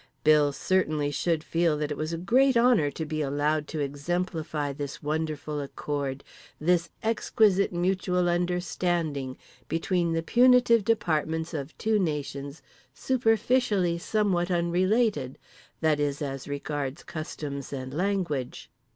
Bill certainly should feel that it was a great honour to be allowed to exemplify this wonderful accord, this exquisite mutual understanding, between the punitive departments of two nations superficially somewhat unrelated—that is, as regards customs and language.